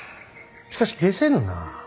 しかし解せぬな。